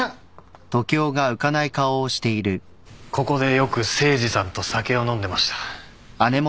ここでよく誠司さんと酒を飲んでました。